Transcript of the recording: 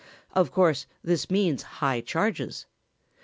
Of course this means high charges.